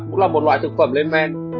cũng là một loại thực phẩm lên men